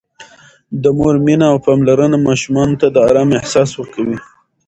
د مور مینه او پاملرنه ماشومانو ته د آرام احساس ورکوي.